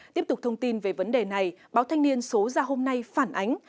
tiếp tục thông tin về vấn đề này báo thanh niên số ra hôm nay phản ánh